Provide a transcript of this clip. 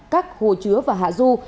các hồ chứa và hạ du